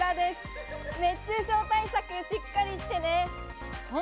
熱中症対策しっかりしてネ！